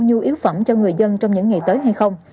nhu yếu phẩm cho người dân trong những ngày tới hay không